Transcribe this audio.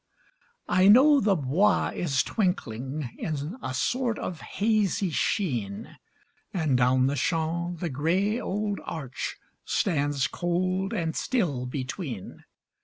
I know the Bois is twinkling In a sort of hazy sheen, And down the Champs the gray old arch Stands cold and still between.